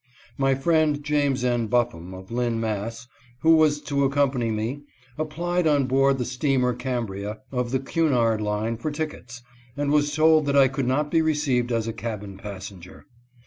My friend James N. Buffum of Lynn, Mass., who was to accompany me, applied on board the steamer Cambria of the Cnnard line for tickets, and was told that I could not be received as a cabin passenger.